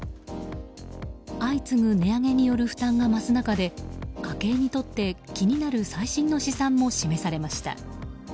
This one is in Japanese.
相次ぐ値上げによる負担が増す中で家計にとって、気になる最新の試算も示されました。